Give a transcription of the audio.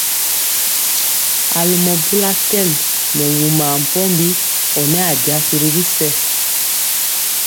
A lomɔ bula kɛn nɛ wumaa mpɔmbi ɔ nɛ a jasi ri bisɛ.